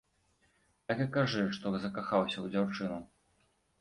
Так і кажы, што закахаўся ў дзяўчыну.